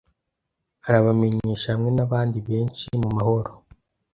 Arabamenyesha hamwe nabandi benshi mumahoro